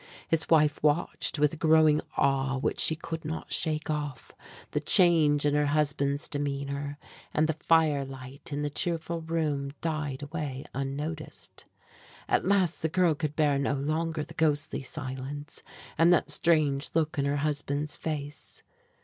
His wife watched, with a growing awe which she could not shake off, the change in her husband's demeanor; and the fire light in the cheerful room died away unnoticed. At last the girl could bear no longer the ghostly silence, and that strange look in her husband's face.